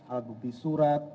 alat bukti surat